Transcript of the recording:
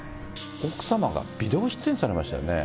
奥様がビデオ出演されましたよね。